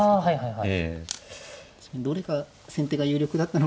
はい。